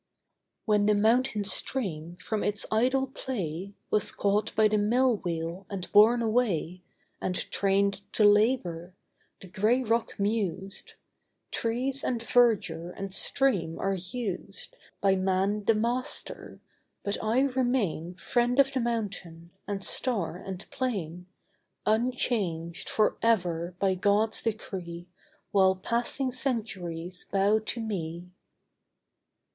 When the mountain stream from its idle play Was caught by the mill wheel and borne away And trained to labour, the grey rock mused 'Trees and verdure and stream are used By Man the Master; but I remain Friend of the mountain, and star, and plain, Unchanged forever by God's decree, While passing centuries bow to me.